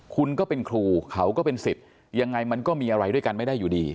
คุณก็เป็นครูเขาก็เป็นสิทธิ์ยังไงมันก็มีอะไรด้วยกันไม่ได้อยู่ดี